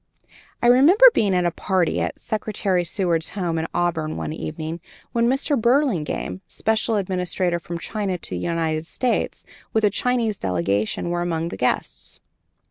I remember being at a party at Secretary Seward's home, at Auburn, one evening, when Mr. Burlingame, special ambassador from China to the United States, with a Chinese delegation, were among the guests.